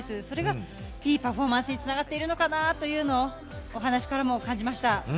それがいいパフォーマンスにつながっているのかなというのを、お話からも感じました。